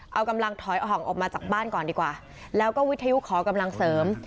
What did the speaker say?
เอากำลังถอยอ่องออกมาจากบ้านก่อนดีกว่าแล้วก็วิทยุขอกำลังเสริม